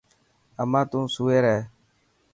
اما تو سوئي رهي.